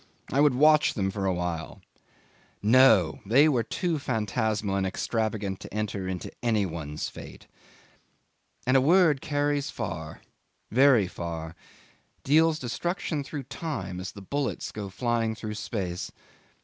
I would watch them for a while. No! They were too phantasmal and extravagant to enter into any one's fate. And a word carries far very far deals destruction through time as the bullets go flying through space.